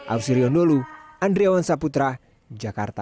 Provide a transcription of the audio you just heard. ausriyondolu andriawan saputra jakarta